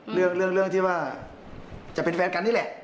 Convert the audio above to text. เรื่องที่ว่าจะเป็นแฟนกันนี่แหละ